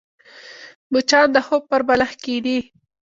مچان د خوب پر بالښت کښېني